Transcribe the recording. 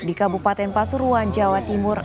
di kabupaten pasuruan jawa timur